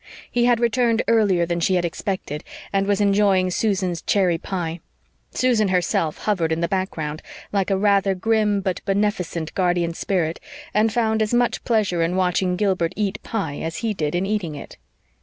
He had returned earlier than she had expected, and was enjoying Susan's cherry pie. Susan herself hovered in the background, like a rather grim but beneficent guardian spirit, and found as much pleasure in watching Gilbert eat pie as he did in eating it.